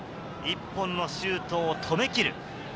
１本のシュートを止めきる。